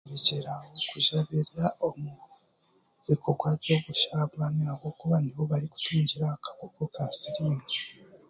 Kureekyeraho okuzabirira omu bikogwa by'obushambani ahabwokuba niho okutungira akakooko ka siriimu